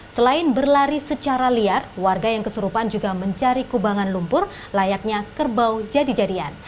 selain berlari secara liar warga yang kesurupan juga mencari kubangan lumpur layaknya kerbau jadi jadian